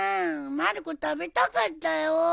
まる子食べたかったよ。